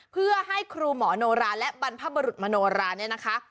เพื่อให้ครูหมอโนราและบรรพบรุษมโนราเนี่ยนะคะ